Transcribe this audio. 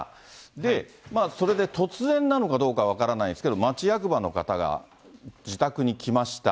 で、それで突然なのかどうか分からないですけど、町役場の方が自宅に来ました。